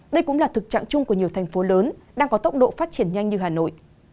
đây cũng là thực trạng chung của nhiều thành phố lớn đang có tốc độ phát triển nhanh như hà nội